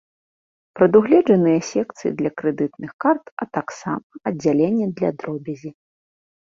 Прадугледжаныя секцыі для крэдытных карт, а таксама аддзяленне для дробязі.